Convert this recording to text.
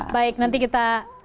baik nanti kita